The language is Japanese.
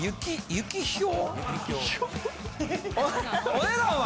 お値段は？